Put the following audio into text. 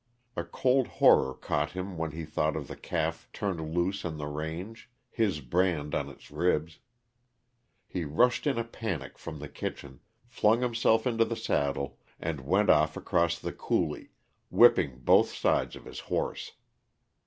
A cold horror caught him when he thought of the calf turned loose on the range, his brand on its ribs. He rushed in a panic from the kitchen, flung himself into the saddle, and went off across the coulee, whipping both sides of his horse.